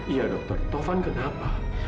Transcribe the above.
iya dokter taufan kenapa